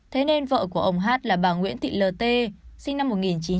thế nên vợ của ông hát là bà nguyễn thị l t sinh năm một nghìn chín trăm chín mươi